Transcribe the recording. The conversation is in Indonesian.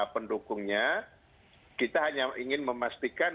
pendukungnya kita hanya ingin memastikan